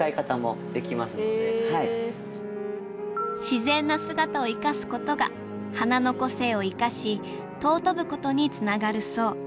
自然な姿をいかすことが花の個性をいかし尊ぶことにつながるそう。